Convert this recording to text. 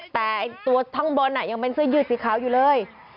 แต่ตัวข้างบนยังเป็นเสื้อยืดสีขาวอยู่เลย